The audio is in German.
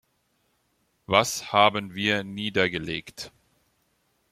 Was haben wir niedergelegt?